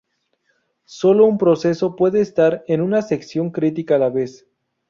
Sólo un proceso puede estar en una sección crítica a la vez.